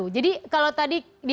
jadi kalau tadi diperbincangkan